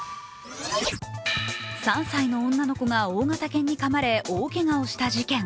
３歳の女の子が大型犬にかまれ大けがをした事件。